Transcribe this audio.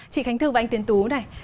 chị khánh thư và anh tiến tú này